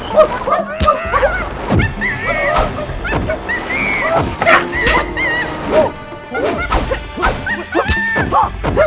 kakak kamu jangan banyak bicara